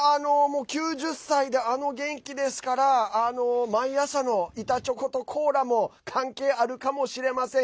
９０歳であの元気ですから毎朝の板チョコとコーラも関係あるかもしれません。